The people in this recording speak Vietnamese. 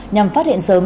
nhằm phát hiện sớm